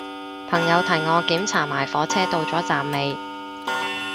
朋友提我檢查埋火車到咗站未